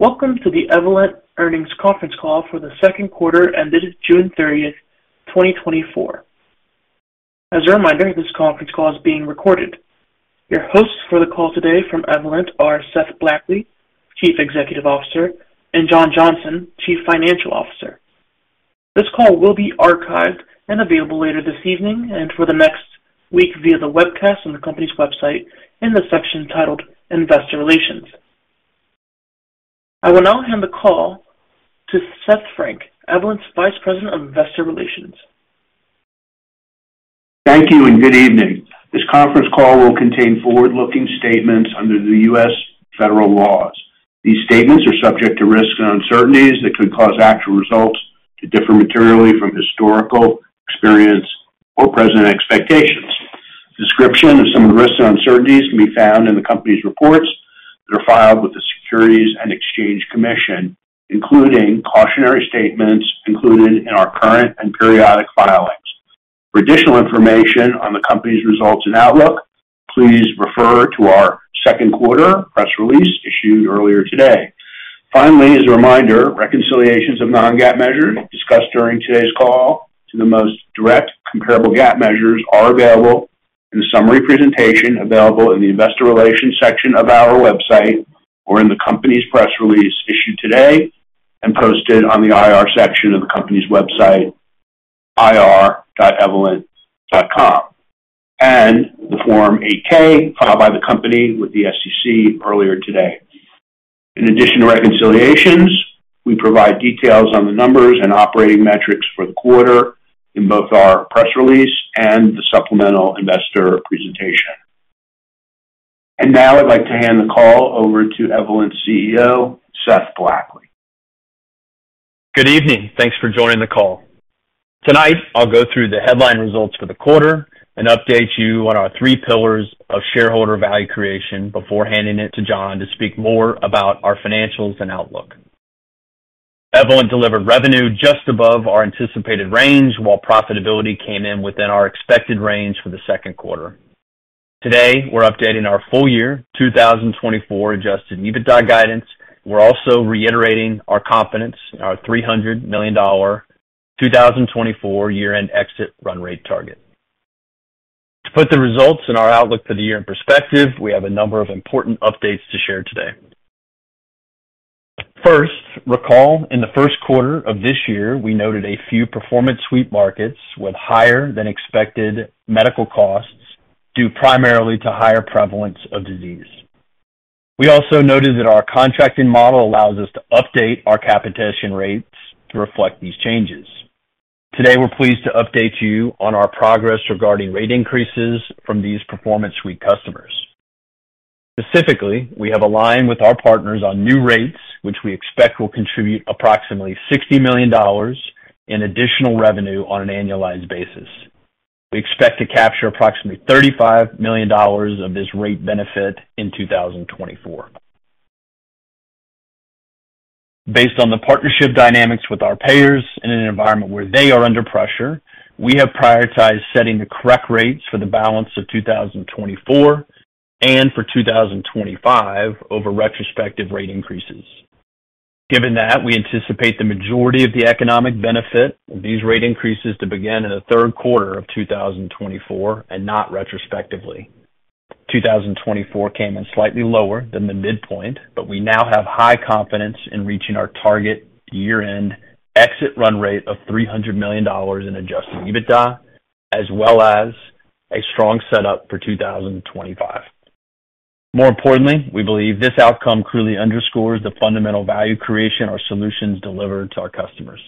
Welcome to the Evolent Earnings Conference Call for the second quarter, ended June 30, 2024. As a reminder, this conference call is being recorded. Your hosts for the call today from Evolent are Seth Blackley, Chief Executive Officer, and John Johnson, Chief Financial Officer. This call will be archived and available later this evening and for the next week via the webcast on the company's website in the section titled Investor Relations. I will now hand the call to Seth Frank, Evolent's Vice President of Investor Relations. Thank you, and good evening. This conference call will contain forward-looking statements under the U.S. federal laws. These statements are subject to risks and uncertainties that could cause actual results to differ materially from historical experience or present expectations. Description of some of the risks and uncertainties can be found in the company's reports that are filed with the Securities and Exchange Commission, including cautionary statements included in our current and periodic filings. For additional information on the company's results and outlook, please refer to our second quarter press release issued earlier today. Finally, as a reminder, reconciliations of non-GAAP measures discussed during today's call to the most direct comparable GAAP measures are available in the summary presentation available in the Investor Relations section of our website, or in the company's press release issued today and posted on the IR section of the company's website, ir.evolent.com, and the Form 8-K filed by the company with the SEC earlier today. In addition to reconciliations, we provide details on the numbers and operating metrics for the quarter in both our press release and the supplemental investor presentation. Now I'd like to hand the call over to Evolent's CEO, Seth Blackley. Good evening. Thanks for joining the call. Tonight, I'll go through the headline results for the quarter and update you on our three pillars of shareholder value creation before handing it to John to speak more about our financials and outlook. Evolent delivered revenue just above our anticipated range, while profitability came in within our expected range for the second quarter. Today, we're updating our full year 2024 adjusted EBITDA guidance. We're also reiterating our confidence in our $300 million, 2024 year-end exit run rate target. To put the results and our outlook for the year in perspective, we have a number of important updates to share today. First, recall, in the first quarter of this year, we noted a few Performance Suite markets with higher than expected medical costs, due primarily to higher prevalence of disease. We also noted that our contracting model allows us to update our capitation rates to reflect these changes. Today, we're pleased to update you on our progress regarding rate increases from these Performance Suite customers. Specifically, we have aligned with our partners on new rates, which we expect will contribute approximately $60 million in additional revenue on an annualized basis. We expect to capture approximately $35 million of this rate benefit in 2024. Based on the partnership dynamics with our payers in an environment where they are under pressure, we have prioritized setting the correct rates for the balance of 2024 and for 2025 over retrospective rate increases. Given that, we anticipate the majority of the economic benefit of these rate increases to begin in the third quarter of 2024, and not retrospectively. 2024 came in slightly lower than the midpoint, but we now have high confidence in reaching our target year-end exit run rate of $300 million in adjusted EBITDA, as well as a strong setup for 2025. More importantly, we believe this outcome clearly underscores the fundamental value creation our solutions deliver to our customers.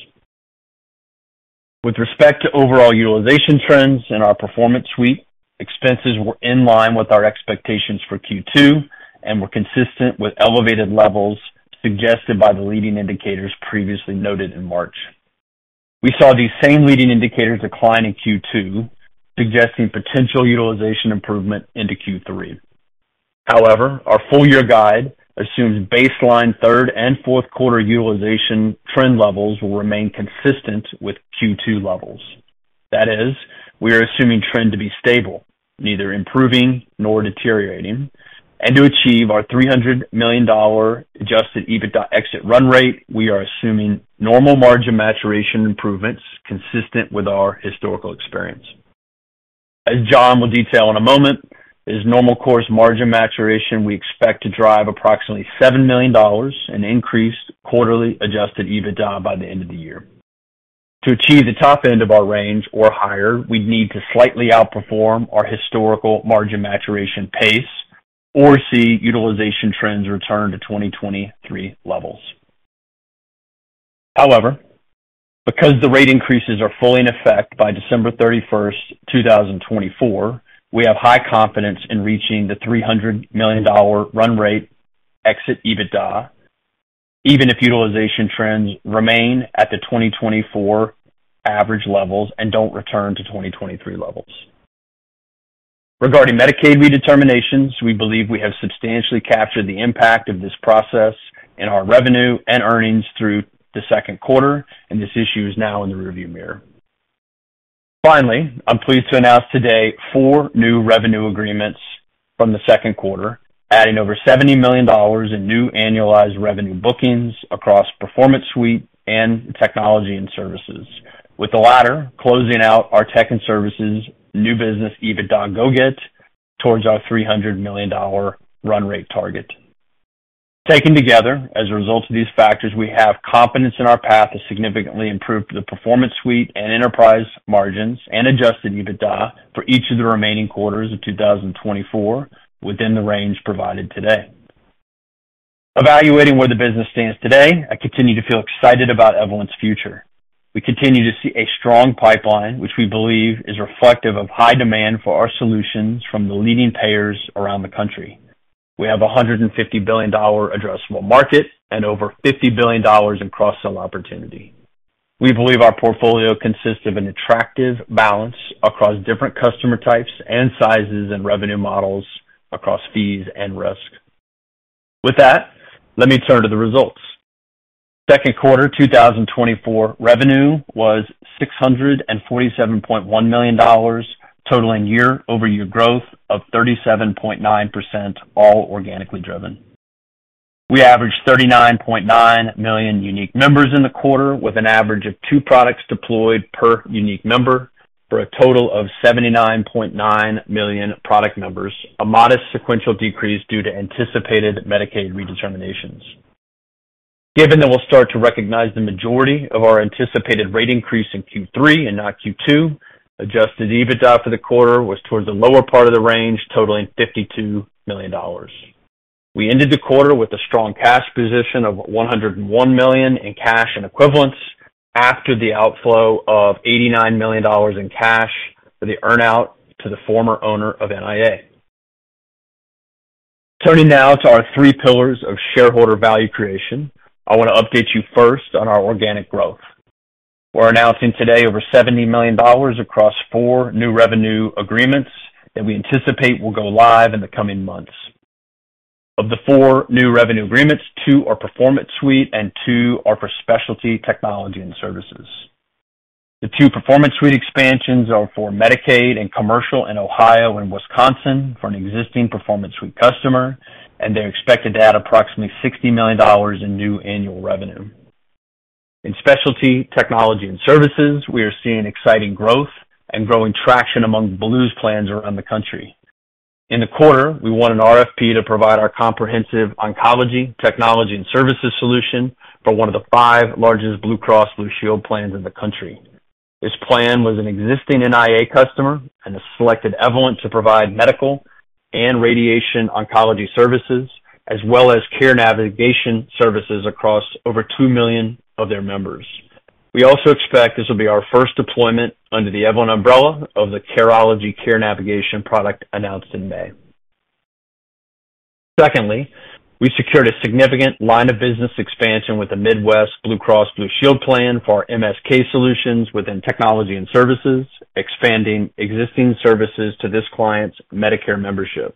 With respect to overall utilization trends in our Performance Suite, expenses were in line with our expectations for Q2 and were consistent with elevated levels suggested by the leading indicators previously noted in March. We saw these same leading indicators decline in Q2, suggesting potential utilization improvement into Q3. However, our full year guide assumes baseline third and fourth quarter utilization trend levels will remain consistent with Q2 levels. That is, we are assuming trend to be stable, neither improving nor deteriorating. To achieve our $300 million adjusted EBITDA exit run rate, we are assuming normal margin maturation improvements consistent with our historical experience. As John will detail in a moment, this normal course margin maturation, we expect to drive approximately $7 million in increased quarterly adjusted EBITDA by the end of the year. To achieve the top end of our range or higher, we'd need to slightly outperform our historical margin maturation pace or see utilization trends return to 2023 levels. However, because the rate increases are fully in effect by December 31, 2024, we have high confidence in reaching the $300 million run rate exit EBITDA, even if utilization trends remain at the 2024 average levels and don't return to 2023 levels. Regarding Medicaid redeterminations, we believe we have substantially captured the impact of this process in our revenue and earnings through the second quarter, and this issue is now in the rearview mirror. Finally, I'm pleased to announce today 4 new revenue agreements from the second quarter, adding over $70 million in new annualized revenue bookings across Performance Suite and Technology and Services, with the latter closing out our Tech and Services new business, EBITDA go-get, towards our $300 million run rate target. Taken together, as a result of these factors, we have confidence in our path to significantly improve the Performance Suite and enterprise margins and Adjusted EBITDA for each of the remaining quarters of 2024 within the range provided today. Evaluating where the business stands today, I continue to feel excited about Evolent's future. We continue to see a strong pipeline, which we believe is reflective of high demand for our solutions from the leading payers around the country. We have a $150 billion addressable market and over $50 billion in cross-sell opportunity. We believe our portfolio consists of an attractive balance across different customer types and sizes and revenue models across fees and risk. With that, let me turn to the results. Second quarter, 2024, revenue was $647.1 million, totaling year-over-year growth of 37.9%, all organically driven. We averaged 39.9 million unique members in the quarter, with an average of two products deployed per unique member, for a total of 79.9 million product members, a modest sequential decrease due to anticipated Medicaid redeterminations. Given that we'll start to recognize the majority of our anticipated rate increase in Q3 and not Q2, Adjusted EBITDA for the quarter was towards the lower part of the range, totaling $52 million. We ended the quarter with a strong cash position of $101 million in cash and equivalents, after the outflow of $89 million in cash for the earn-out to the former owner of NIA. Turning now to our 3 pillars of shareholder value creation. I want to update you first on our organic growth. We're announcing today over $70 million across four new revenue agreements that we anticipate will go live in the coming months. Of the four new revenue agreements, two are Performance Suite and two are for Specialty Technology and Services. The two Performance Suite expansions are for Medicaid and commercial in Ohio and Wisconsin for an existing Performance Suite customer, and they're expected to add approximately $60 million in new annual revenue. In Specialty Technology and Services, we are seeing exciting growth and growing traction among Blues plans around the country. In the quarter, we won an RFP to provide our comprehensive oncology technology and services solution for one of the five largest Blue Cross Blue Shield plans in the country. This plan was an existing NIA customer and has selected Evolent to provide medical and radiation oncology services, as well as care navigation services across over 2 million of their members. We also expect this will be our first deployment under the Evolent umbrella of the Careology Care Navigation product announced in May. Secondly, we secured a significant line of business expansion with the Midwest Blue Cross Blue Shield plan for our MSK solutions within Technology and Services, expanding existing services to this client's Medicare membership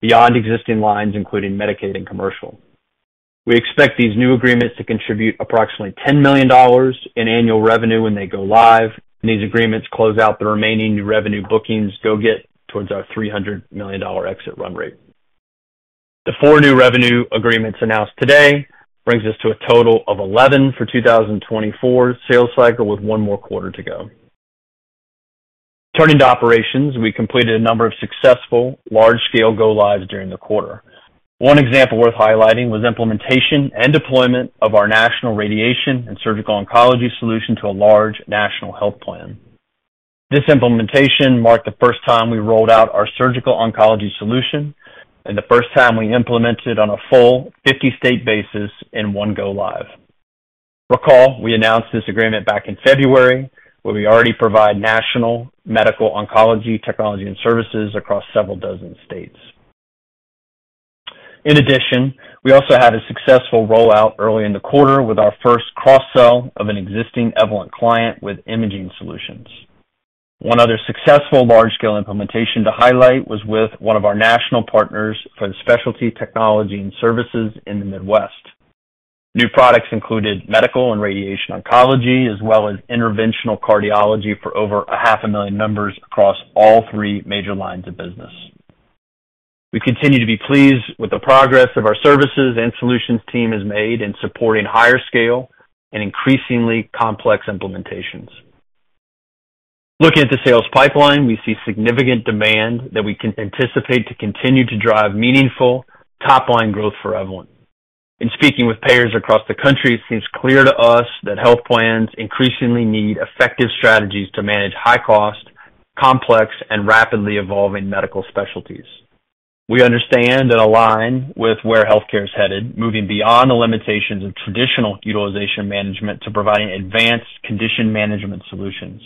beyond existing lines, including Medicaid and commercial. We expect these new agreements to contribute approximately $10 million in annual revenue when they go live, and these agreements close out the remaining new revenue bookings go-get towards our $300 million exit run rate. The four new revenue agreements announced today brings us to a total of 11 for 2024 sales cycle, with one more quarter to go. Turning to operations, we completed a number of successful large-scale go-lives during the quarter. One example worth highlighting was implementation and deployment of our national radiation and surgical oncology solution to a large national health plan. This implementation marked the first time we rolled out our surgical oncology solution and the first time we implemented on a full 50-state basis in one go-live. Recall, we announced this agreement back in February, where we already provide national Medical Oncology, Technology and Services across several dozen states. In addition, we also had a successful rollout early in the quarter with our first cross-sell of an existing Evolent client with Imaging Solutions. One other successful large-scale implementation to highlight was with one of our national partners for the Specialty Technology and Services in the Midwest. New products included Medical and Radiation Oncology, as well as Interventional Cardiology for over 500,000 members across all three major lines of business. We continue to be pleased with the progress of our services and solutions team has made in supporting higher scale and increasingly complex implementations. Looking at the sales pipeline, we see significant demand that we can anticipate to continue to drive meaningful top line growth for Evolent. In speaking with payers across the country, it seems clear to us that health plans increasingly need effective strategies to manage high cost, complex, and rapidly evolving medical specialties. We understand and align with where healthcare is headed, moving beyond the limitations of traditional utilization management to providing advanced condition management solutions.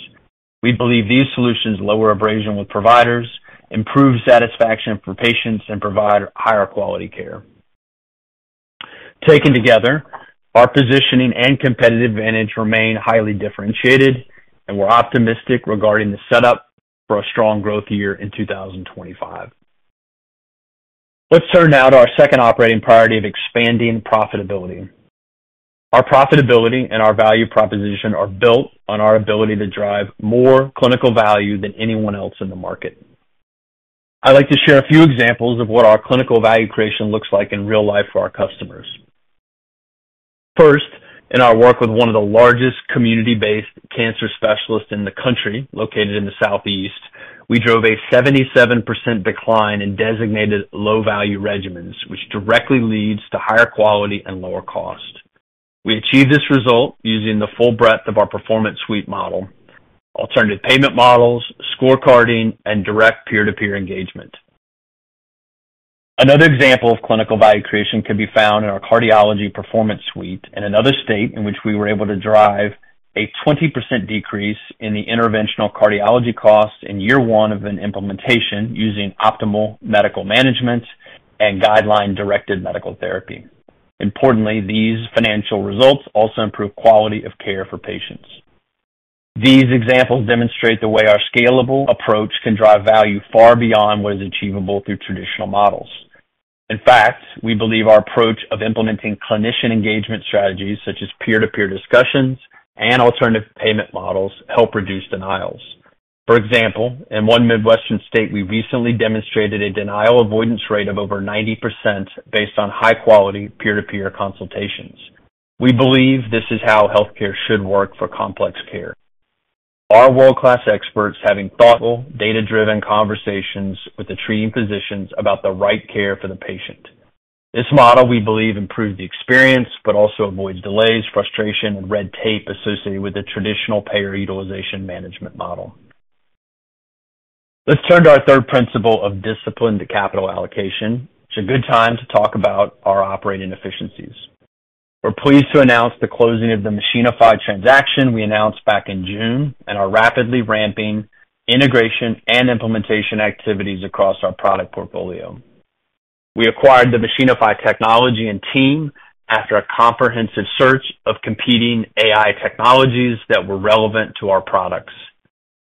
We believe these solutions lower abrasion with providers, improve satisfaction for patients, and provide higher quality care. Taken together, our positioning and competitive advantage remain highly differentiated, and we're optimistic regarding the setup for a strong growth year in 2025.... Let's turn now to our second operating priority of expanding profitability. Our profitability and our value proposition are built on our ability to drive more clinical value than anyone else in the market. I'd like to share a few examples of what our clinical value creation looks like in real life for our customers. First, in our work with one of the largest community-based cancer specialists in the country, located in the Southeast, we drove a 77% decline in designated low-value regimens, which directly leads to higher quality and lower cost. We achieved this result using the full breadth of our Performance Suite model, alternative payment models, scorecarding, and direct peer-to-peer engagement. Another example of clinical value creation can be found in our cardiology Performance Suite in another state in which we were able to drive a 20% decrease in the interventional cardiology cost in year one of an implementation using optimal medical management and guideline-directed medical therapy. Importantly, these financial results also improve quality of care for patients. These examples demonstrate the way our scalable approach can drive value far beyond what is achievable through traditional models. In fact, we believe our approach of implementing clinician engagement strategies, such as peer-to-peer discussions and alternative payment models, help reduce denials. For example, in one Midwestern state, we recently demonstrated a denial avoidance rate of over 90% based on high-quality peer-to-peer consultations. We believe this is how healthcare should work for complex care. Our world-class experts having thoughtful, data-driven conversations with the treating physicians about the right care for the patient. This model, we believe, improved the experience, but also avoids delays, frustration, and red tape associated with the traditional payer utilization management model. Let's turn to our third principle of discipline to capital allocation. It's a good time to talk about our operating efficiencies. We're pleased to announce the closing of the Machinify transaction we announced back in June and are rapidly ramping integration and implementation activities across our product portfolio. We acquired the Machinify technology and team after a comprehensive search of competing AI technologies that were relevant to our products.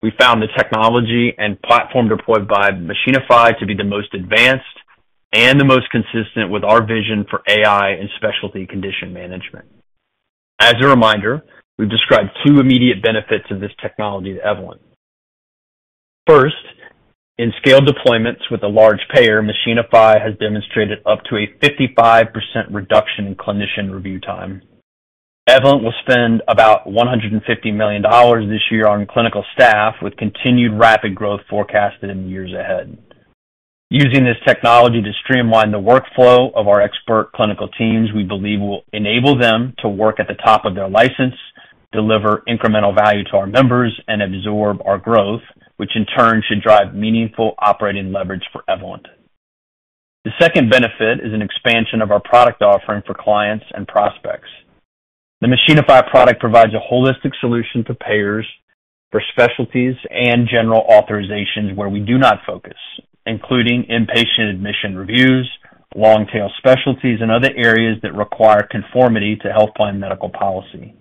We found the technology and platform deployed by Machinify to be the most advanced and the most consistent with our vision for AI and specialty condition management. As a reminder, we've described two immediate benefits of this technology to Evolent. First, in scaled deployments with a large payer, Machinify has demonstrated up to a 55% reduction in clinician review time. Evolent will spend about $150 million this year on clinical staff, with continued rapid growth forecasted in the years ahead. Using this technology to streamline the workflow of our expert clinical teams, we believe will enable them to work at the top of their license, deliver incremental value to our members, and absorb our growth, which in turn should drive meaningful operating leverage for Evolent. The second benefit is an expansion of our product offering for clients and prospects. The Machinify product provides a holistic solution to payers for specialties and general authorizations where we do not focus, including inpatient admission reviews, long-tail specialties, and other areas that require conformity to health plan medical policy.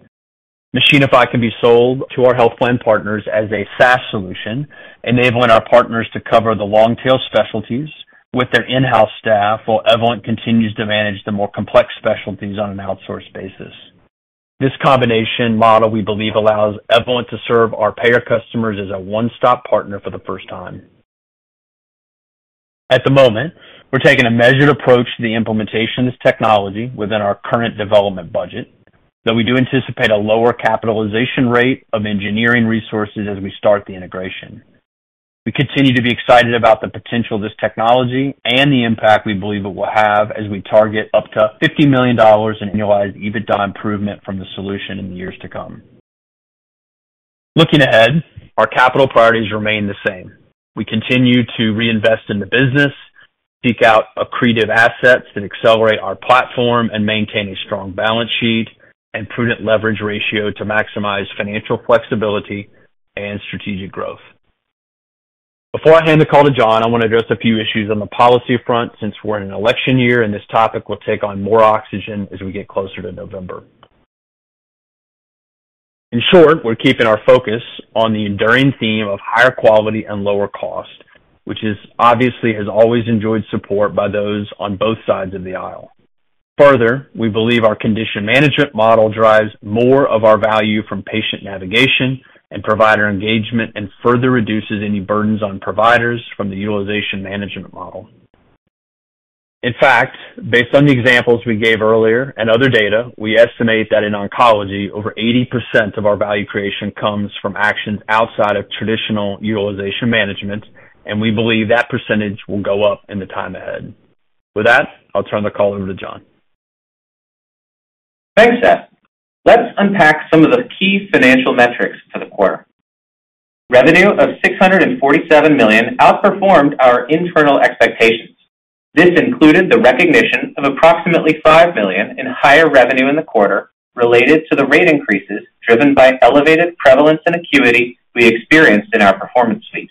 Machinify can be sold to our health plan partners as a SaaS solution, enabling our partners to cover the long-tail specialties with their in-house staff, while Evolent continues to manage the more complex specialties on an outsourced basis. This combination model, we believe, allows Evolent to serve our payer customers as a one-stop partner for the first time. At the moment, we're taking a measured approach to the implementation of this technology within our current development budget, though we do anticipate a lower capitalization rate of engineering resources as we start the integration. We continue to be excited about the potential of this technology and the impact we believe it will have as we target up to $50 million in annualized EBITDA improvement from the solution in the years to come. Looking ahead, our capital priorities remain the same. We continue to reinvest in the business, seek out accretive assets that accelerate our platform, and maintain a strong balance sheet and prudent leverage ratio to maximize financial flexibility and strategic growth. Before I hand the call to John, I want to address a few issues on the policy front since we're in an election year, and this topic will take on more oxygen as we get closer to November. In short, we're keeping our focus on the enduring theme of higher quality and lower cost, which obviously has always enjoyed support by those on both sides of the aisle. Further, we believe our condition management model drives more of our value from patient navigation and provider engagement and further reduces any burdens on providers from the utilization management model. In fact, based on the examples we gave earlier and other data, we estimate that in oncology, over 80% of our value creation comes from actions outside of traditional utilization management, and we believe that percentage will go up in the time ahead. With that, I'll turn the call over to John. Thanks, Seth. Let's unpack some of the key financial metrics for the quarter. Revenue of $647 million outperformed our internal expectations. This included the recognition of approximately $5 million in higher revenue in the quarter related to the rate increases, driven by elevated prevalence and acuity we experienced in our Performance Suite.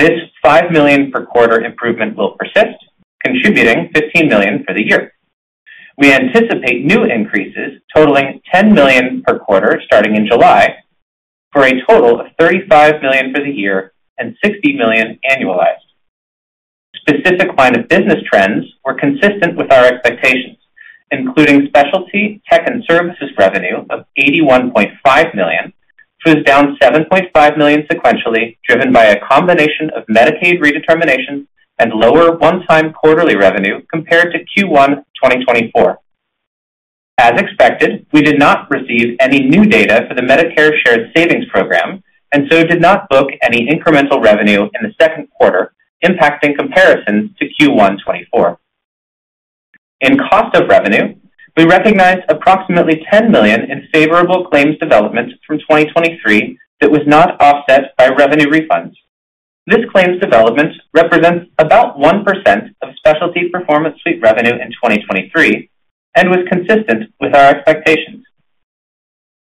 This $5 million per quarter improvement will persist, contributing $15 million for the year. We anticipate new increases totaling $10 million per quarter, starting in July, for a total of $35 million for the year and $60 million annualized. Specific line of business trends were consistent with our expectations, including Specialty Tech and Services revenue of $81.5 million, which was down $7.5 million sequentially, driven by a combination of Medicaid redeterminations and lower one-time quarterly revenue compared to Q1, 2024. As expected, we did not receive any new data for the Medicare Shared Savings Program, and so did not book any incremental revenue in the second quarter, impacting comparisons to Q1 2024. In cost of revenue, we recognized approximately $10 million in favorable claims development from 2023 that was not offset by revenue refunds. This claims development represents about 1% of Specialty Performance Suite revenue in 2023 and was consistent with our expectations.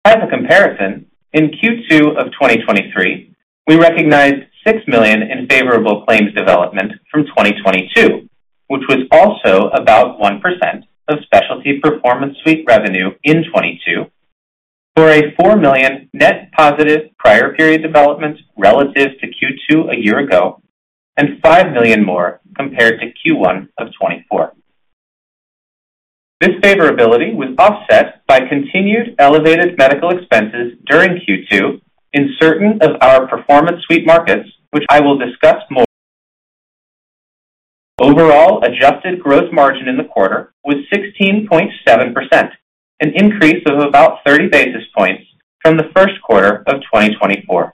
As a comparison, in Q2 of 2023, we recognized $6 million in favorable claims development from 2022, which was also about 1% of Specialty Performance Suite revenue in 2022, for a $4 million net positive prior period development relative to Q2 a year ago, and $5 million more compared to Q1 of 2024. This favorability was offset by continued elevated medical expenses during Q2 in certain of our Performance Suite markets, which I will discuss more. Overall, adjusted gross margin in the quarter was 16.7%, an increase of about 30 basis points from the first quarter of 2024.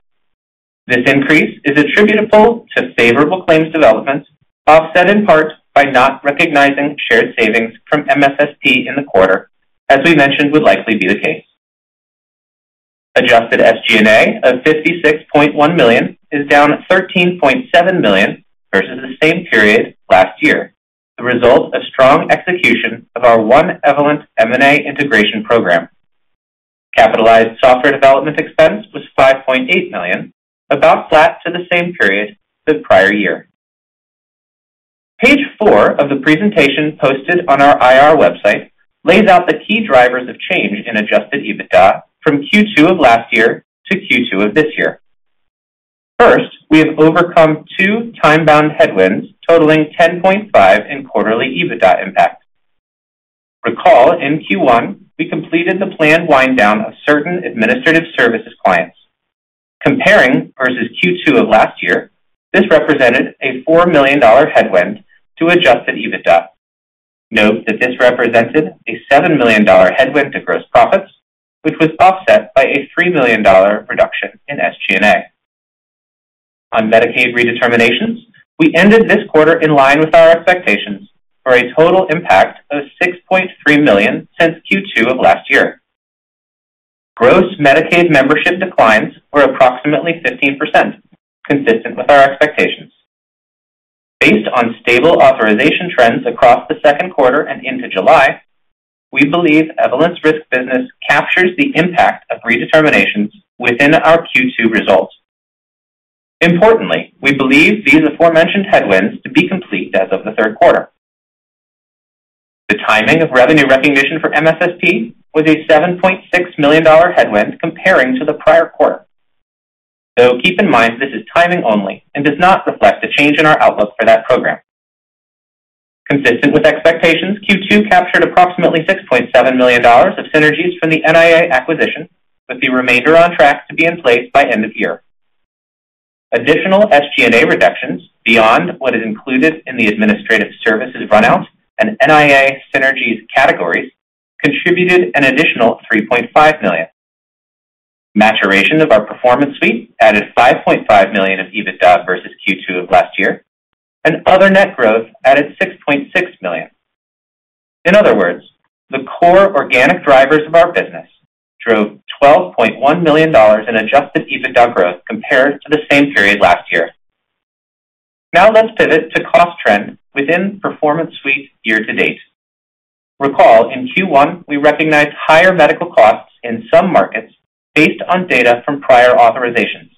This increase is attributable to favorable claims developments, offset in part by not recognizing shared savings from MSSP in the quarter, as we mentioned, would likely be the case. Adjusted SG&A of $56.1 million is down $13.7 million versus the same period last year, the result of strong execution of our One Evolent M&A Integration program. Capitalized software development expense was $5.8 million, about flat to the same period the prior year. Page four of the presentation, posted on our IR website, lays out the key drivers of change in adjusted EBITDA from Q2 of last year to Q2 of this year. First, we have overcome two time-bound headwinds totaling $10.5 million in quarterly EBITDA impact. Recall, in Q1, we completed the planned wind down of certain administrative services clients. Comparing versus Q2 of last year, this represented a $4 million headwind to adjusted EBITDA. Note that this represented a $7 million headwind to gross profits, which was offset by a $3 million reduction in SG&A. On Medicaid redeterminations, we ended this quarter in line with our expectations for a total impact of $6.3 million since Q2 of last year. Gross Medicaid membership declines were approximately 15%, consistent with our expectations. Based on stable authorization trends across the second quarter and into July, we believe Evolent's risk business captures the impact of redeterminations within our Q2 results. Importantly, we believe these aforementioned headwinds to be complete as of the third quarter. The timing of revenue recognition for MSSP was a $7.6 million headwind comparing to the prior quarter. So keep in mind, this is timing only and does not reflect a change in our outlook for that program. Consistent with expectations, Q2 captured approximately $6.7 million of synergies from the NIA acquisition, with the remainder on track to be in place by end of year. Additional SG&A reductions beyond what is included in the administrative services runouts and NIA synergies categories contributed an additional $3.5 million. Maturation of our Performance Suite added $5.5 million of EBITDA versus Q2 of last year, and other net growth added $6.6 million. In other words, the core organic drivers of our business drove $12.1 million in adjusted EBITDA growth compared to the same period last year. Now let's pivot to cost trends within Performance Suite year to date. Recall, in Q1, we recognized higher medical costs in some markets based on data from prior authorizations.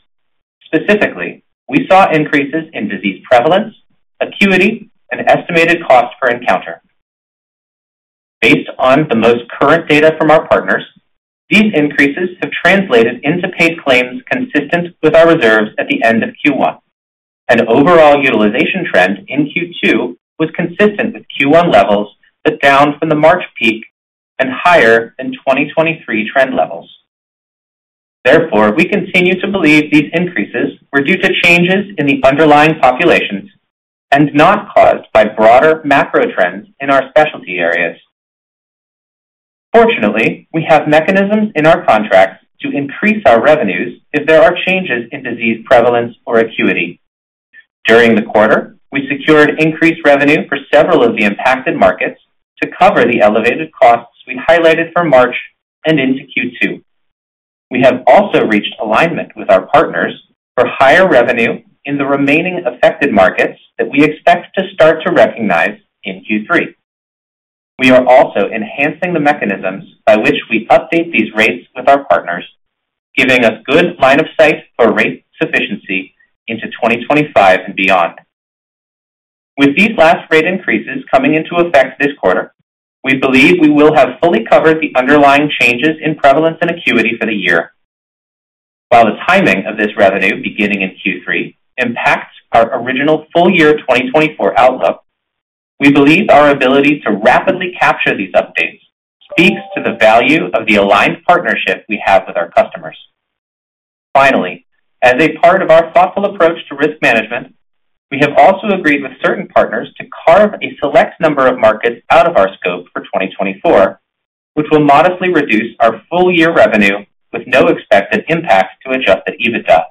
Specifically, we saw increases in disease prevalence, acuity, and estimated cost per encounter. Based on the most current data from our partners, these increases have translated into paid claims consistent with our reserves at the end of Q1, and overall utilization trend in Q2 was consistent with Q1 levels, but down from the March peak and higher than 2023 trend levels. Therefore, we continue to believe these increases were due to changes in the underlying populations and not caused by broader macro trends in our specialty areas. Fortunately, we have mechanisms in our contracts to increase our revenues if there are changes in disease prevalence or acuity. During the quarter, we secured increased revenue for several of the impacted markets to cover the elevated costs we highlighted for March and into Q2. We have also reached alignment with our partners for higher revenue in the remaining affected markets that we expect to start to recognize in Q3. We are also enhancing the mechanisms by which we update these rates with our partners, giving us good line of sight for rate sufficiency into 2025 and beyond. With these last rate increases coming into effect this quarter, we believe we will have fully covered the underlying changes in prevalence and acuity for the year. While the timing of this revenue beginning in Q3 impacts our original full year 2024 outlook, we believe our ability to rapidly capture these updates speaks to the value of the aligned partnership we have with our customers. Finally, as a part of our thoughtful approach to risk management, we have also agreed with certain partners to carve a select number of markets out of our scope for 2024, which will modestly reduce our full year revenue with no expected impact to Adjusted EBITDA.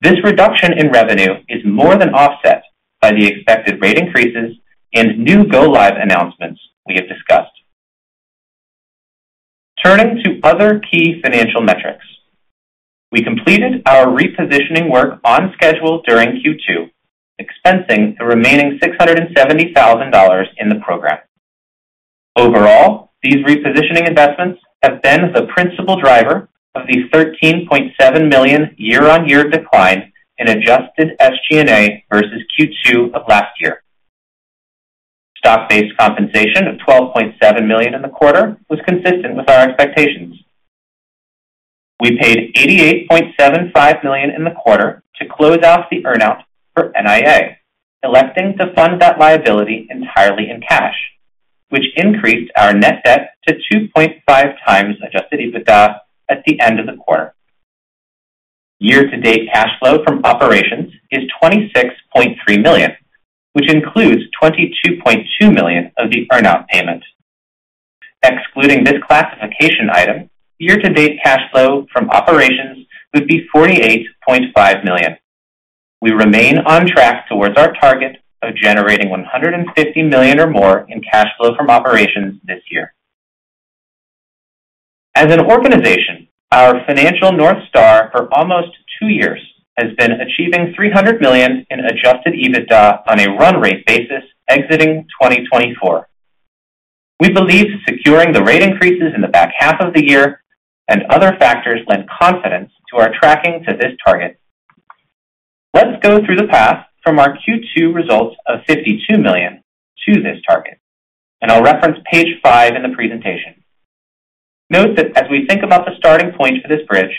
This reduction in revenue is more than offset by the expected rate increases and new go-live announcements we have discussed. Turning to other key financial metrics, we completed our repositioning work on schedule during Q2, expensing the remaining $670,000 in the program. Overall, these repositioning investments have been the principal driver of the $13.7 million year-on-year decline in adjusted SG&A versus Q2 of last year. Stock-based compensation of $12.7 million in the quarter was consistent with our expectations. We paid $88.75 million in the quarter to close out the earn-out for NIA, electing to fund that liability entirely in cash, which increased our net debt to 2.5x adjusted EBITDA at the end of the quarter. Year-to-date cash flow from operations is $26.3 million, which includes $22.2 million of the earn-out payment. Excluding this classification item, year-to-date cash flow from operations would be $48.5 million. We remain on track towards our target of generating $150 million or more in cash flow from operations this year. As an organization, our financial North Star for almost two years has been achieving $300 million in adjusted EBITDA on a run-rate basis exiting 2024. We believe securing the rate increases in the back half of the year and other factors lend confidence to our tracking to this target. Let's go through the path from our Q2 results of $52 million to this target, and I'll reference page five in the presentation. Note that as we think about the starting point for this bridge,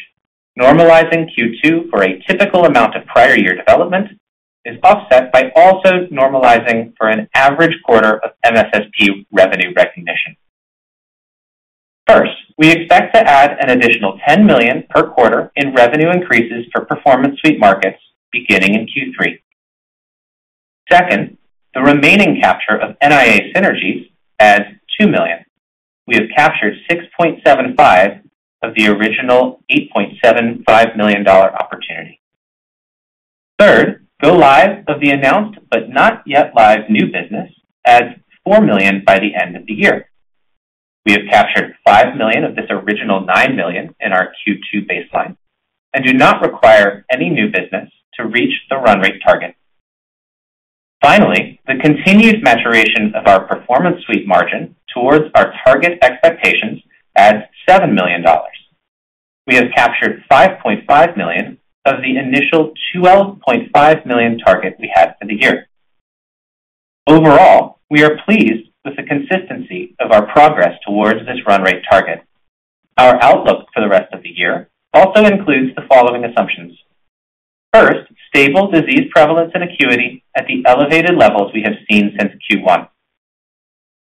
normalizing Q2 for a typical amount of prior year development is offset by also normalizing for an average quarter of MSSP revenue recognition. First, we expect to add an additional $10 million per quarter in revenue increases for Performance Suite markets beginning in Q3. Second, the remaining capture of NIA synergies adds $2 million. We have captured 6.75 of the original $8.75 million opportunity. Third, go live of the announced but not yet live new business adds $4 million by the end of the year. We have captured $5 million of this original $9 million in our Q2 baseline and do not require any new business to reach the run rate target. Finally, the continued maturation of our Performance Suite margin towards our target expectations adds $7 million. We have captured $5.5 million of the initial $2.5 million target we had for the year. Overall, we are pleased with the consistency of our progress towards this run rate target. Our outlook for the rest of the year also includes the following assumptions: First, stable disease prevalence and acuity at the elevated levels we have seen since Q1.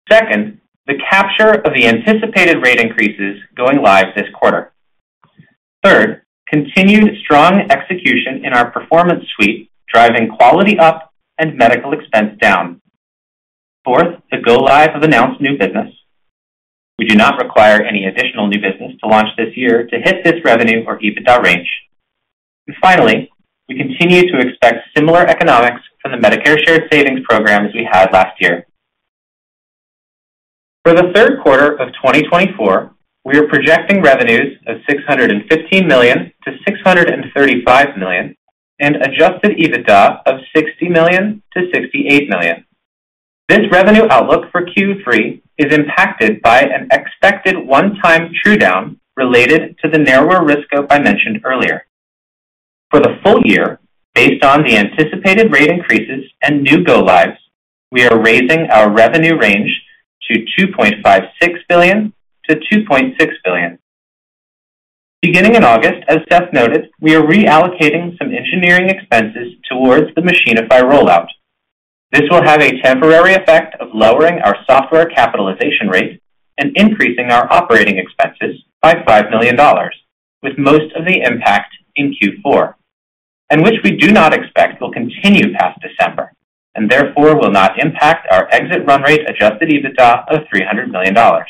Second, the capture of the anticipated rate increases going live this quarter. Third, continued strong execution in our Performance Suite, driving quality up and medical expense down. Fourth, the go live of announced new business. We do not require any additional new business to launch this year to hit this revenue or EBITDA range. And finally, we continue to expect similar economics from the Medicare Shared Savings Program as we had last year. For the third quarter of 2024, we are projecting revenues of $615 million-$635 million and Adjusted EBITDA of $60 million-$68 million. This revenue outlook for Q3 is impacted by an expected one-time true-down related to the narrower risk scope I mentioned earlier. For the full year, based on the anticipated rate increases and new go lives, we are raising our revenue range to $2.56 billion-$2.6 billion. Beginning in August, as Seth noted, we are reallocating some engineering expenses towards the Machinify rollout. This will have a temporary effect of lowering our software capitalization rate and increasing our operating expenses by $5 million, with most of the impact in Q4, and which we do not expect will continue past December and therefore will not impact our exit run-rate adjusted EBITDA of $300 million. Our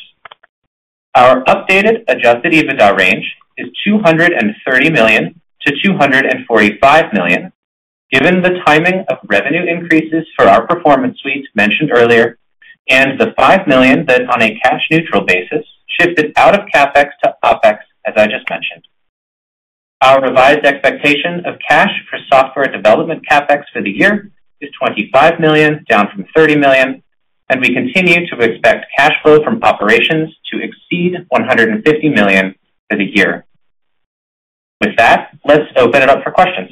updated adjusted EBITDA range is $230 million-$245 million, given the timing of revenue increases for our Performance Suite mentioned earlier, and the $5 million that, on a cash neutral basis, shifted out of CapEx to OpEx, as I just mentioned. Our revised expectation of cash for software development CapEx for the year is $25 million, down from $30 million. ...and we continue to expect cash flow from operations to exceed $150 million for the year. With that, let's open it up for questions.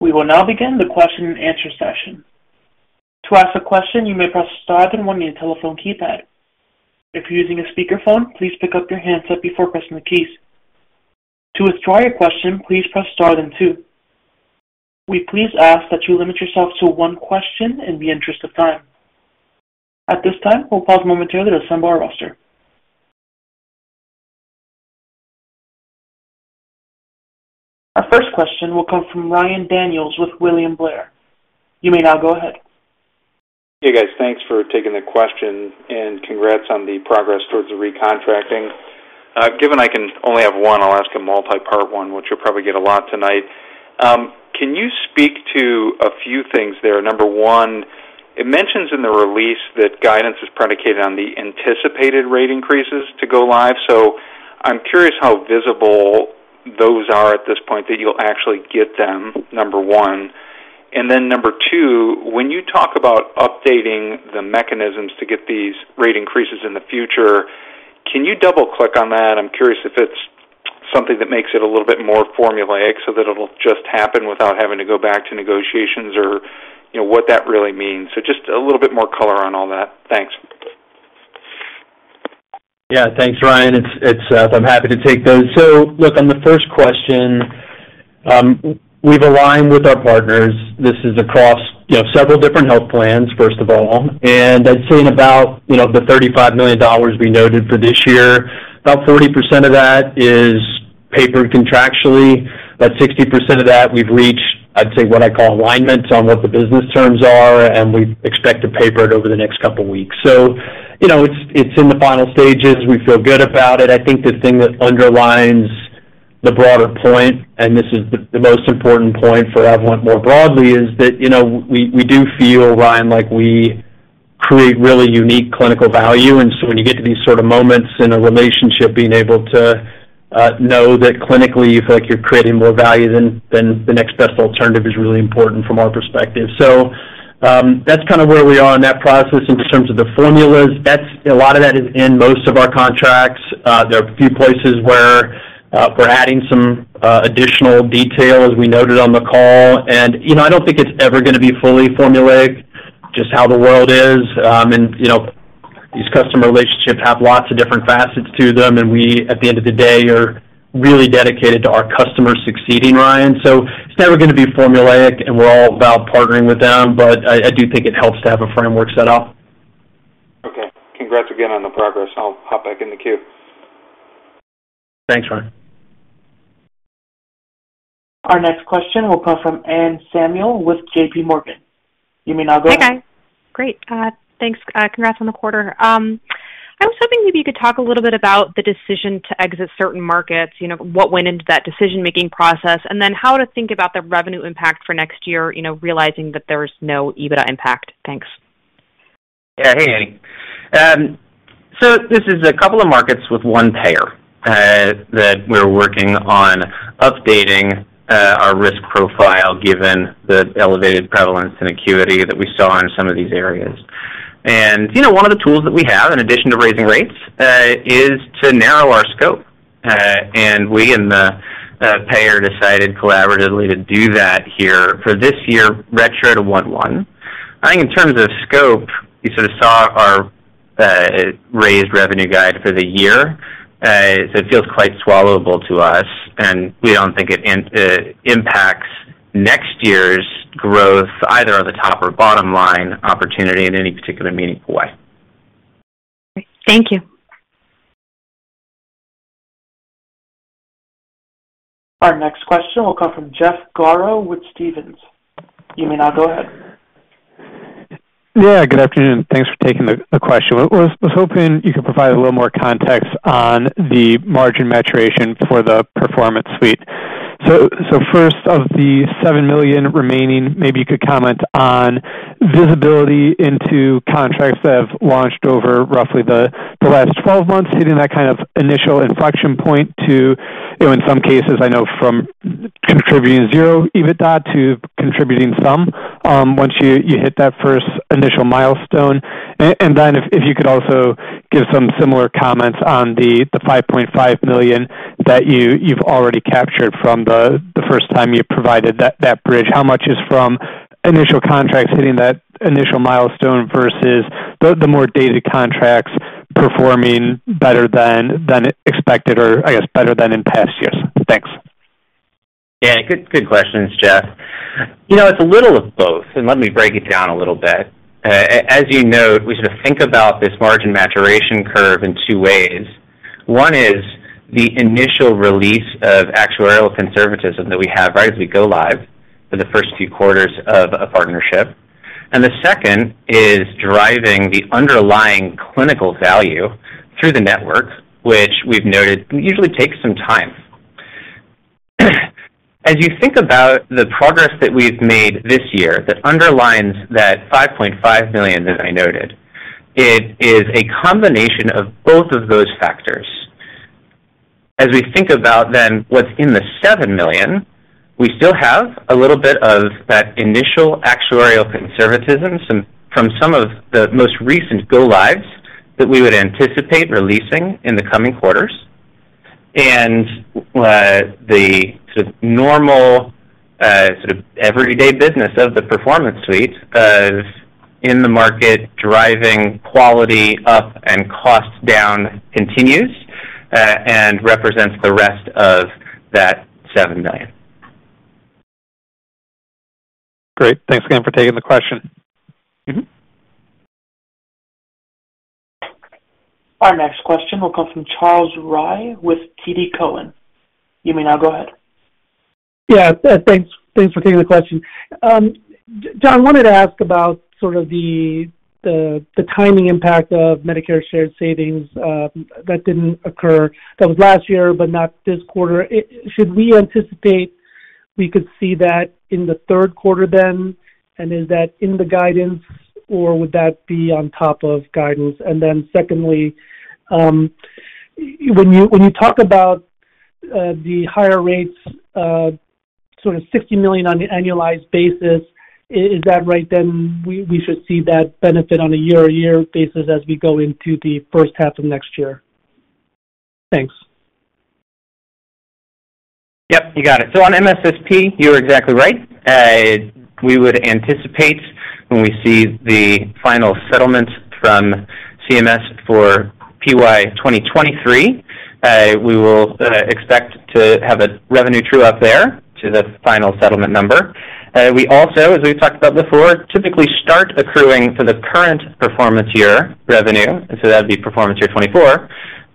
We will now begin the question and answer session. To ask a question, you may press star, then one on your telephone keypad. If you're using a speakerphone, please pick up your handset before pressing the keys. To withdraw your question, please press star then two. We please ask that you limit yourself to one question in the interest of time. At this time, we'll pause momentarily to assemble our roster. Our first question will come from Ryan Daniels with William Blair. You may now go ahead. Hey, guys. Thanks for taking the question, and congrats on the progress towards the recontracting. Given I can only have one, I'll ask a multipart one, which you'll probably get a lot tonight. Can you speak to a few things there? Number one, it mentions in the release that guidance is predicated on the anticipated rate increases to go live. So I'm curious how visible those are at this point that you'll actually get them, number one. And then number two, when you talk about updating the mechanisms to get these rate increases in the future, can you double-click on that? I'm curious if it's something that makes it a little bit more formulaic so that it'll just happen without having to go back to negotiations or, you know, what that really means. So just a little bit more color on all that. Thanks. Yeah, thanks, Ryan. It's Seth. I'm happy to take those. So look, on the first question, we've aligned with our partners. This is across, you know, several different health plans, first of all, and I'd say in about, you know, the $35 million we noted for this year, about 40% of that is papered contractually, but 60% of that we've reached, I'd say, what I call alignment on what the business terms are, and we expect to paper it over the next couple weeks. So, you know, it's in the final stages. We feel good about it. I think the thing that underlines the broader point, and this is the most important point for Evolent more broadly, is that, you know, we do feel, Ryan, like we create really unique clinical value. And so when you get to these sort of moments in a relationship, being able to know that clinically you feel like you're creating more value than the next best alternative is really important from our perspective. So, that's kind of where we are in that process. In terms of the formulas, that's a lot of that is in most of our contracts. There are a few places where we're adding some additional detail, as we noted on the call. And, you know, I don't think it's ever gonna be fully formulaic, just how the world is. And, you know, these customer relationships have lots of different facets to them, and we, at the end of the day, are really dedicated to our customers succeeding, Ryan. So it's never gonna be formulaic, and we're all about partnering with them, but I do think it helps to have a framework set up. Okay. Congrats again on the progress. I'll hop back in the queue. Thanks, Ryan. Our next question will come from Anne Samuel with J.P. Morgan. You may now go ahead. Hi, guys. Great. Thanks. Congrats on the quarter. I was hoping maybe you could talk a little bit about the decision to exit certain markets, you know, what went into that decision-making process, and then how to think about the revenue impact for next year, you know, realizing that there's no EBITDA impact. Thanks. Yeah. Hey, Annie. So this is a couple of markets with one payer, that we're working on updating, our risk profile, given the elevated prevalence and acuity that we saw in some of these areas. And, you know, one of the tools that we have, in addition to raising rates, is to narrow our scope. And we and the, the payer decided collaboratively to do that here for this year, retro to 1-1. I think in terms of scope, you sort of saw our, raised revenue guide for the year. So it feels quite swallowable to us, and we don't think it in, impacts next year's growth either on the top or bottom line opportunity in any particular meaningful way. Thank you. Our next question will come from Jeff Garro with Stephens. You may now go ahead. Yeah, good afternoon. Thanks for taking the question. I was hoping you could provide a little more context on the margin maturation for the Performance Suite. So first, of the $7 million remaining, maybe you could comment on visibility into contracts that have launched over roughly the last 12 months, hitting that kind of initial inflection point to, you know, in some cases, I know from contributing zero EBITDA to contributing some, once you hit that first initial milestone. And then if you could also give some similar comments on the $5.5 million that you've already captured from the first time you provided that bridge. How much is from initial contracts hitting that initial milestone versus the more dated contracts performing better than expected, or I guess, better than in past years? Thanks. Yeah, good, good questions, Jeff. You know, it's a little of both, and let me break it down a little bit. As you note, we sort of think about this margin maturation curve in two ways. One is the initial release of actuarial conservatism that we have right as we go live for the first few quarters of a partnership, and the second is driving the underlying clinical value through the network, which we've noted usually takes some time. As you think about the progress that we've made this year, that underlines that $5.5 million that I noted, it is a combination of both of those factors. ...As we think about then what's in the $7 million, we still have a little bit of that initial actuarial conservatism from some of the most recent go lives that we would anticipate releasing in the coming quarters. And, the sort of normal, sort of everyday business of the Performance Suite is in the market, driving quality up and costs down continues, and represents the rest of that $7 million. Great. Thanks again for taking the question. Mm-hmm. Our next question will come from Charles Rhyee with TD Cowen. You may now go ahead. Yeah, thanks. Thanks for taking the question. John, I wanted to ask about sort of the timing impact of Medicare Shared Savings that didn't occur. That was last year, but not this quarter. Should we anticipate we could see that in the third quarter then? And is that in the guidance, or would that be on top of guidance? And then secondly, when you talk about the higher rates, sort of $60 million on the annualized basis, is that right, then we should see that benefit on a year-to-year basis as we go into the first half of next year? Thanks. Yep, you got it. So on MSSP, you're exactly right. We would anticipate when we see the final settlement from CMS for PY 2023, we will expect to have a revenue true up there to the final settlement number. We also, as we've talked about before, typically start accruing for the current performance year revenue, and so that would be performance year 2024,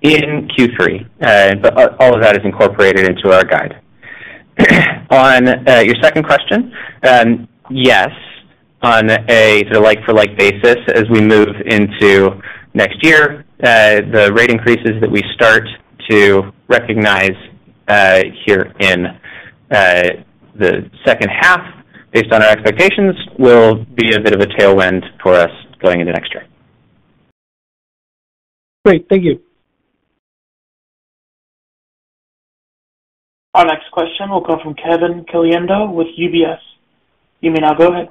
in Q3. But all of that is incorporated into our guide. On your second question, yes, on a sort of like-for-like basis, as we move into next year, the rate increases that we start to recognize here in the second half, based on our expectations, will be a bit of a tailwind for us going into next year. Great. Thank you. Our next question will come from Kevin Caliendo with UBS. You may now go ahead.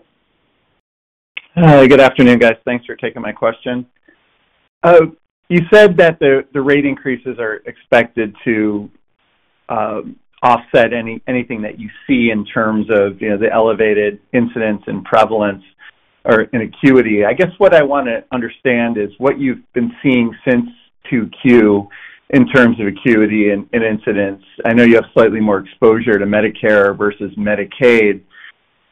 Good afternoon, guys. Thanks for taking my question. You said that the rate increases are expected to offset anything that you see in terms of, you know, the elevated incidence and prevalence or in acuity. I guess what I wanna understand is what you've been seeing since 2Q in terms of acuity and incidence. I know you have slightly more exposure to Medicare versus Medicaid,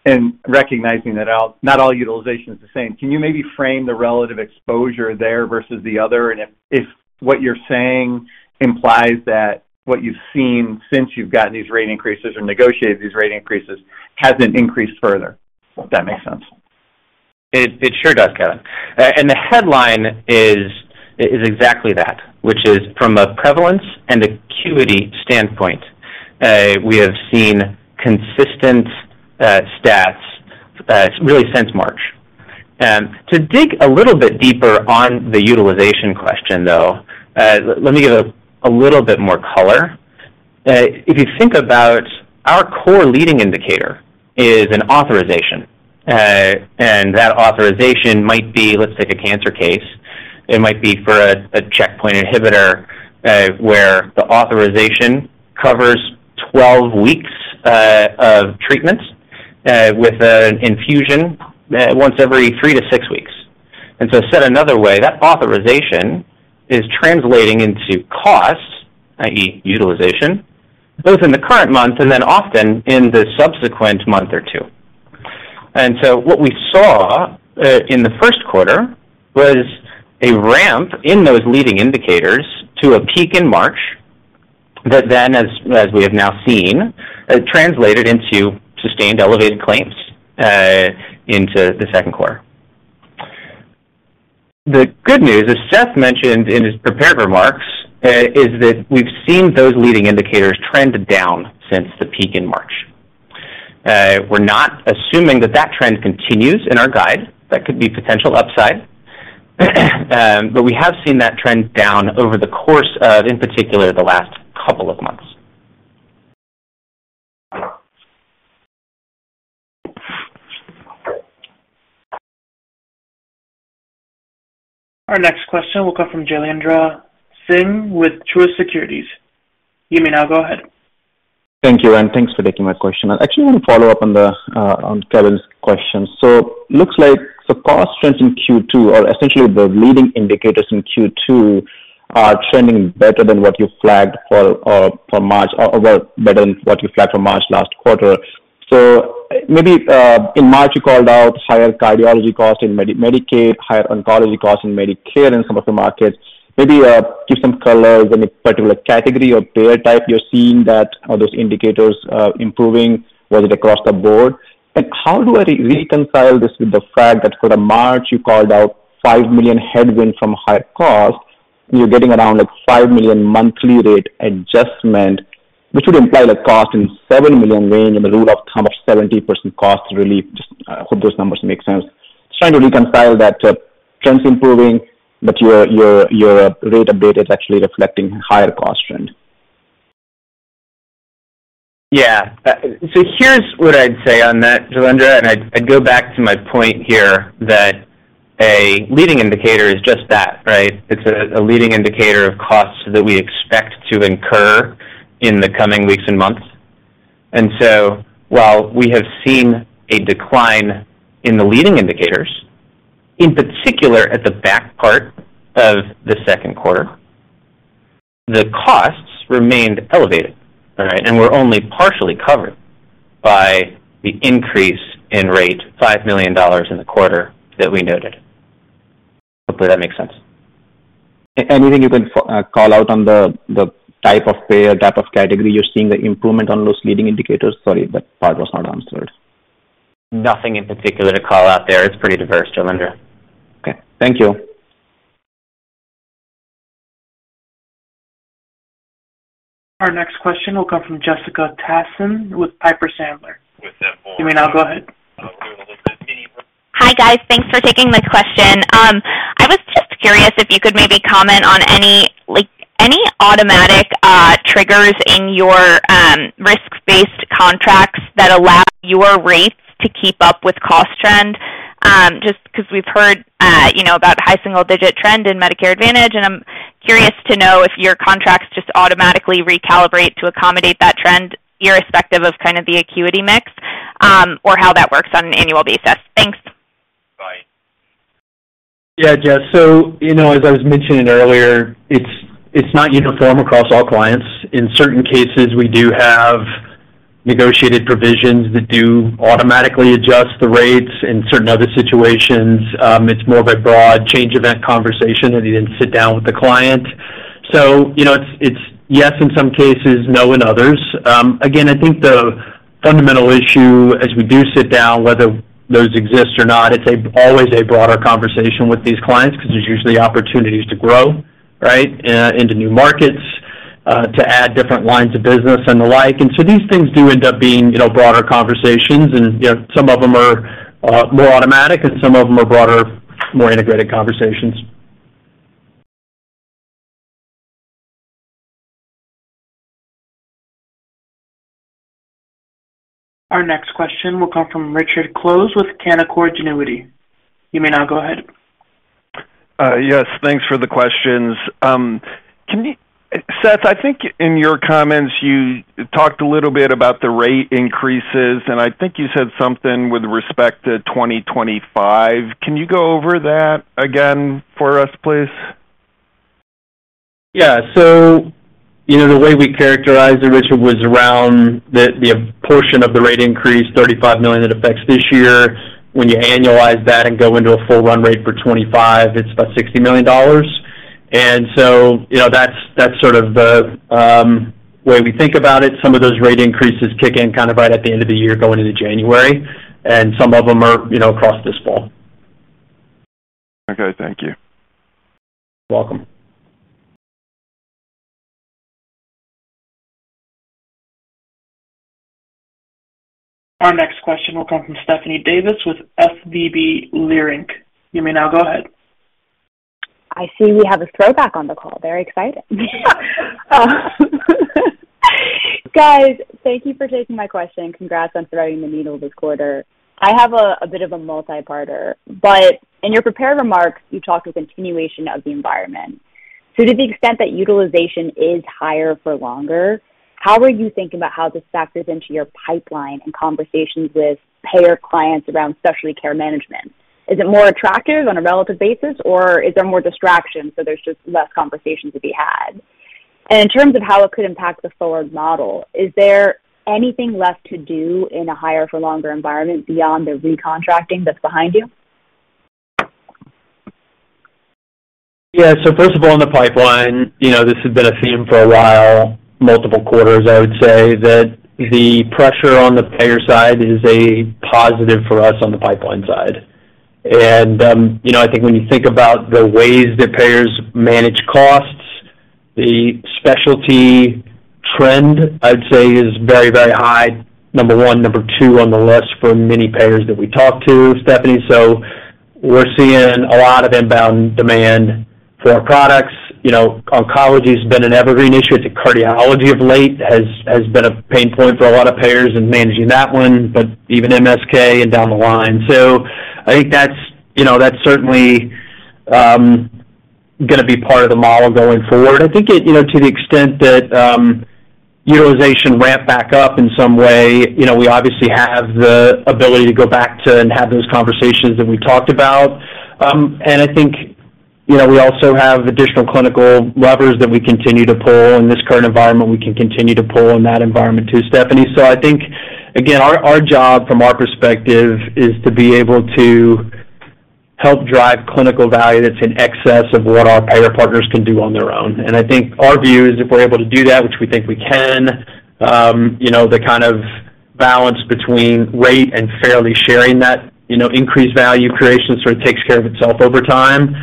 and recognizing that not all utilization is the same, can you maybe frame the relative exposure there versus the other? And if what you're saying implies that what you've seen since you've gotten these rate increases or negotiated these rate increases hasn't increased further, if that makes sense. It sure does, Kevin. And the headline is exactly that, which is from a prevalence and acuity standpoint, we have seen consistent stats really since March. To dig a little bit deeper on the utilization question, though, let me give a little bit more color. If you think about our core leading indicator is an authorization, and that authorization might be, let's take a cancer case. It might be for a checkpoint inhibitor, where the authorization covers 12 weeks of treatment, with an infusion once every three to six weeks. And so said another way, that authorization is translating into costs, i.e., utilization, both in the current month and then often in the subsequent month or two. What we saw in the first quarter was a ramp in those leading indicators to a peak in March that then, as we have now seen, translated into sustained elevated claims into the second quarter. The good news, as Seth mentioned in his prepared remarks, is that we've seen those leading indicators trend down since the peak in March. We're not assuming that that trend continues in our guide. That could be potential upside. But we have seen that trend down over the course of, in particular, the last couple of months. Our next question will come from Jailendra Singh with Truist Securities. You may now go ahead. Thank you, and thanks for taking my question. I actually want to follow up on the, on Kevin's question. So looks like the cost trends in Q2 are essentially the leading indicators in Q2 are trending better than what you flagged for, for March, or, well, better than what you flagged for March last quarter. So maybe, in March, you called out higher cardiology costs in Medicaid, higher oncology costs in Medicare in some of the markets. Maybe, give some color on a particular category or payer type you're seeing that, or those indicators, improving, whether across the board. How do I reconcile this with the fact that for the March, you called out $5 million headwind from higher costs, you're getting around a $5 million monthly rate adjustment, which would imply a cost in $7 million range and a rule of thumb of 70% cost relief. Just hope those numbers make sense... Just trying to reconcile that, trends improving, but your rate update is actually reflecting higher cost trend. Yeah, so here's what I'd say on that, Jailendra, and I'd go back to my point here, that a leading indicator is just that, right? It's a leading indicator of costs that we expect to incur in the coming weeks and months. And so while we have seen a decline in the leading indicators, in particular at the back part of the second quarter, the costs remained elevated, all right, and were only partially covered by the increase in rate, $5 million in the quarter that we noted. Hopefully that makes sense. Anything you can call out on the type of payer, type of category you're seeing the improvement on those leading indicators? Sorry, that part was not answered. Nothing in particular to call out there. It's pretty diverse, Jailendra. Okay, thank you. Our next question will come from Jessica Tassan with Piper Sandler. You may now go ahead. Hi, guys. Thanks for taking my question. I was just curious if you could maybe comment on any, like, any automatic triggers in your risk-based contracts that allow your rates to keep up with cost trend. Just 'cause we've heard, you know, about high single digit trend in Medicare Advantage, and I'm curious to know if your contracts just automatically recalibrate to accommodate that trend, irrespective of kind of the acuity mix, or how that works on an annual basis. Thanks. Yeah, Jess. So, you know, as I was mentioning earlier, it's, it's not uniform across all clients. In certain cases, we do have negotiated provisions that do automatically adjust the rates. In certain other situations, it's more of a broad change event conversation, and you then sit down with the client. So you know, it's, it's yes, in some cases, no, in others. Again, I think the fundamental issue as we do sit down, whether those exist or not, it's always a broader conversation with these clients because there's usually opportunities to grow, right, into new markets, to add different lines of business and the like. And so these things do end up being, you know, broader conversations. And, you know, some of them are more automatic and some of them are broader, more integrated conversations. Our next question will come from Richard Close with Canaccord Genuity. You may now go ahead. Yes, thanks for the questions. Can you, Seth, I think in your comments, you talked a little bit about the rate increases, and I think you said something with respect to 2025. Can you go over that again for us, please? Yeah. So, you know, the way we characterized it, Richard, was around the portion of the rate increase, $35 million, that affects this year. When you annualize that and go into a full run rate for 2025, it's about $60 million. And so, you know, that's sort of the way we think about it. Some of those rate increases kick in kind of right at the end of the year, going into January, and some of them are, you know, across this fall. Okay, thank you. Welcome. Our next question will come from Stephanie Davis with SVB Leerink. You may now go ahead. I see we have a throwback on the call. Very exciting. Guys, thank you for taking my question, and congrats on threading the needle this quarter. I have a, a bit of a multiparter, but in your prepared remarks, you talked a continuation of the environment. So to the extent that utilization is higher for longer, how are you thinking about how this factors into your pipeline and conversations with payer clients around specialty care management? Is it more attractive on a relative basis, or is there more distraction, so there's just less conversations to be had? And in terms of how it could impact the forward model, is there anything left to do in a higher for longer environment beyond the recontracting that's behind you? Yeah. So first of all, on the pipeline, you know, this has been a theme for a while, multiple quarters, I would say, that the pressure on the payer side is a positive for us on the pipeline side. And, you know, I think when you think about the ways that payers manage costs, the specialty trend, I'd say, is very, very high, number one. Number two, on the list for many payers that we talk to, Stephanie, so we're seeing a lot of inbound demand for our products. You know, oncology has been an evergreen issue. The cardiology of late has been a pain point for a lot of payers in managing that one, but even MSK and down the line. So I think that's, you know, that's certainly gonna be part of the model going forward. I think it, you know, to the extent that utilization ramp back up in some way, you know, we obviously have the ability to go back to and have those conversations that we talked about. And I think, you know, we also have additional clinical levers that we continue to pull. In this current environment, we can continue to pull in that environment, too, Stephanie. So I think, again, our, our job from our perspective is to be able to help drive clinical value that's in excess of what our payer partners can do on their own. And I think our view is if we're able to do that, which we think we can, you know, the kind of balance between rate and fairly sharing that, you know, increased value creation sort of takes care of itself over time.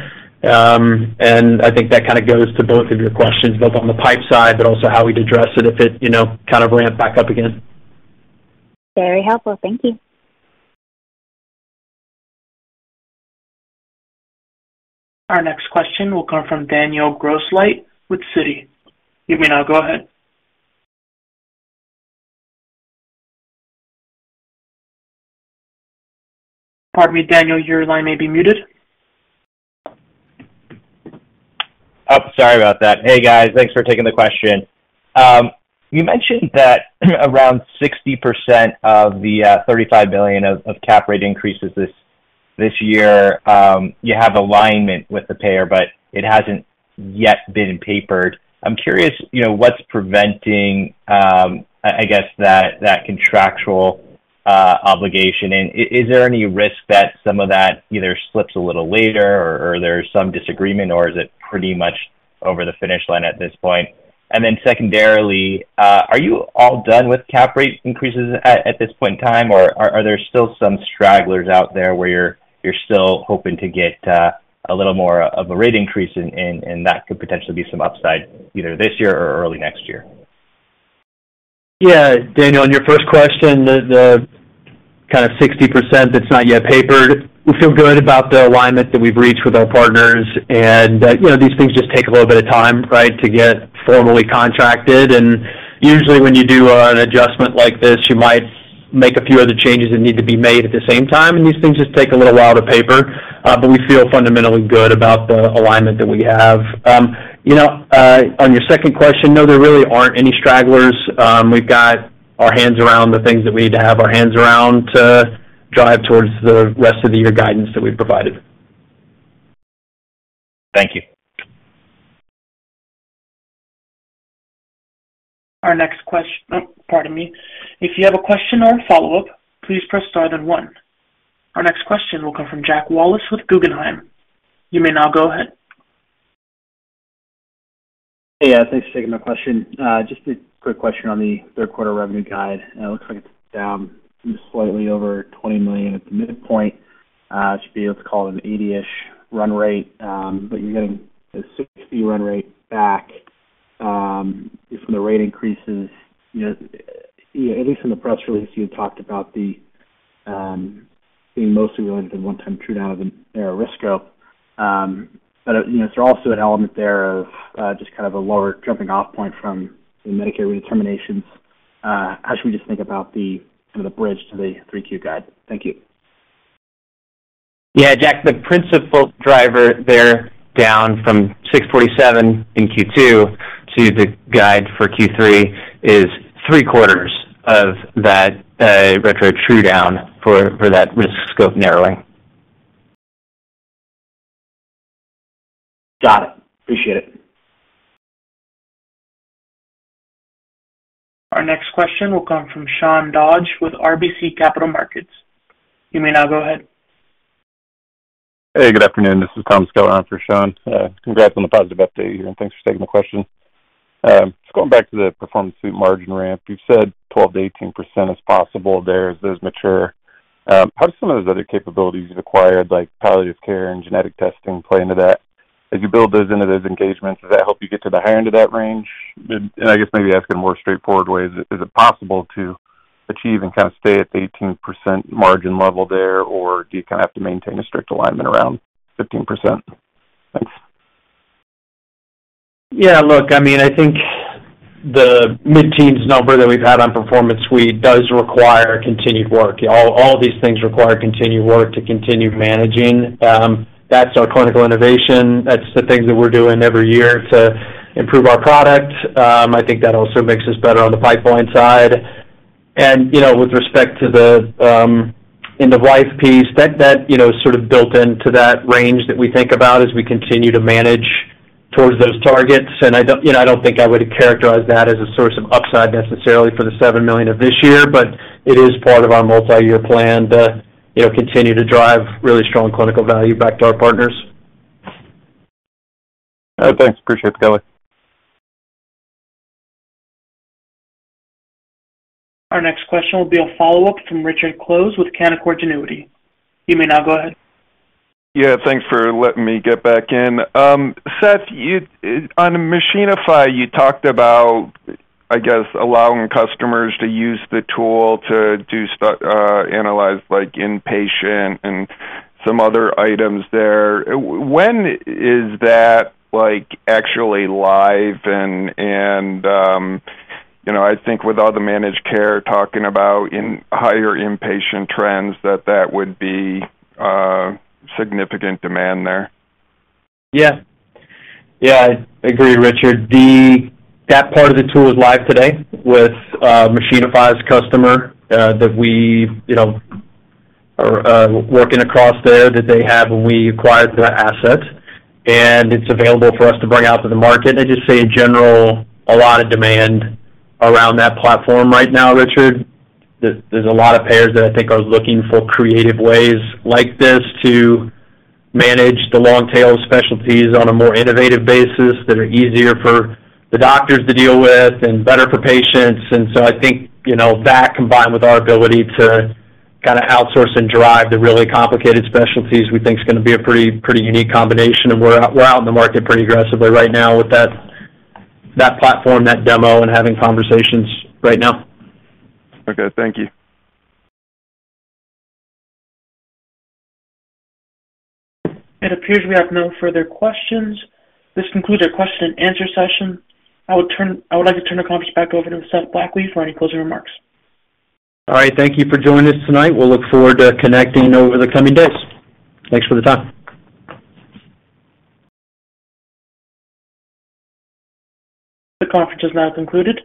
And I think that kind of goes to both of your questions, both on the pipe side, but also how we'd address it if it, you know, kind of ramped back up again.... Very helpful. Thank you. Our next question will come from Daniel Grosslight with Citi. You may now go ahead. Pardon me, Daniel, your line may be muted. Oh, sorry about that. Hey, guys. Thanks for taking the question. You mentioned that around 60% of the $35 million of cap rate increases this year, you have alignment with the payer, but it hasn't yet been papered. I'm curious, you know, what's preventing, I guess that contractual obligation, and is there any risk that some of that either slips a little later or there's some disagreement, or is it pretty much over the finish line at this point? And then secondarily, are you all done with cap rate increases at this point in time, or are there still some stragglers out there where you're still hoping to get a little more of a rate increase, and that could potentially be some upside either this year or early next year? Yeah, Daniel, on your first question, the kind of 60% that's not yet papered, we feel good about the alignment that we've reached with our partners, and, you know, these things just take a little bit of time, right, to get formally contracted, and usually, when you do an adjustment like this, you might make a few other changes that need to be made at the same time, and these things just take a little while to paper. But we feel fundamentally good about the alignment that we have. You know, on your second question, no, there really aren't any stragglers. We've got our hands around the things that we need to have our hands around to drive towards the rest of the year guidance that we've provided. Thank you. Our next question. Pardon me. If you have a question or a follow-up, please press star then one. Our next question will come from Jack Wallace with Guggenheim. You may now go ahead. Hey, thanks for taking my question. Just a quick question on the third quarter revenue guide. It looks like it's down slightly over $20 million at the midpoint. It should be, let's call it an 80-ish run rate, but you're getting a 60 run rate back from the rate increases. You know, at least in the press release, you had talked about the being mostly related to one-time true-down of an risk scope. But, you know, is there also an element there of just kind of a lower jumping off point from the Medicare redeterminations? How should we just think about the sort of the bridge to the 3Q guide? Thank you. Yeah, Jack, the principal driver there, down from 647 in Q2 to the guide for Q3, is three quarters of that, retro true-down for that risk scope narrowing. Got it. Appreciate it. Our next question will come from Sean Dodge with RBC Capital Markets. You may now go ahead. Hey, good afternoon, this is Tom Scheur on for Sean. Congrats on the positive update here, and thanks for taking the question. Just going back to the Performance Suite margin ramp, you've said 12%-18% is possible there as those mature. How do some of those other capabilities you've acquired, like palliative care and genetic testing, play into that? As you build those into those engagements, does that help you get to the higher end of that range? And, and I guess maybe asking a more straightforward way, is, is it possible to achieve and kind of stay at the 18% margin level there, or do you kind of have to maintain a strict alignment around 15%? Thanks. Yeah, look, I mean, I think the mid-teens number that we've had on Performance Suite does require continued work. All these things require continued work to continue managing. That's our clinical innovation. That's the things that we're doing every year to improve our product. I think that also makes us better on the pipeline side. And, you know, with respect to the end-of-life piece, that you know, sort of built into that range that we think about as we continue to manage towards those targets. And I don't... You know, I don't think I would characterize that as a source of upside necessarily for the $7 million of this year, but it is part of our multiyear plan to, you know, continue to drive really strong clinical value back to our partners. All right, thanks. Appreciate it, Kelly. Our next question will be a follow-up from Richard Close with Canaccord Genuity. You may now go ahead. Yeah, thanks for letting me get back in. Seth, you on Machinify, you talked about, I guess, allowing customers to use the tool to do, analyze like inpatient and some other items there. When is that like actually live? And, and, you know, I think with all the managed care, talking about in higher inpatient trends, that, that would be, significant demand there. Yeah. Yeah, I agree, Richard. The... That part of the tool is live today with Machinify's customer that we, you know, are working across there, that they have, and we acquired the asset, and it's available for us to bring out to the market. I'd just say in general, a lot of demand around that platform right now, Richard. There's a lot of payers that I think are looking for creative ways like this to manage the long tail specialties on a more innovative basis, that are easier for the doctors to deal with and better for patients. So I think, you know, that combined with our ability to kind of outsource and drive the really complicated specialties, we think is gonna be a pretty, pretty unique combination, and we're out, we're out in the market pretty aggressively right now with that, that platform, that demo, and having conversations right now. Okay, thank you. It appears we have no further questions. This concludes our question and answer session. I would like to turn the conference back over to Seth Blackley for any closing remarks. All right. Thank you for joining us tonight. We'll look forward to connecting over the coming days. Thanks for the time. The conference is now concluded.